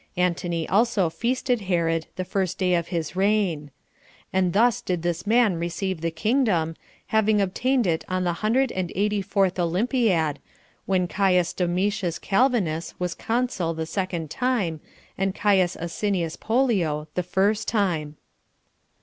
Antony also feasted Herod the first day of his reign. And thus did this man receive the kingdom, having obtained it on the hundred and eighty fourth olympiad, when Caius Domitius Calvinus was consul the second time, and Caius Asinius Pollio [the first time].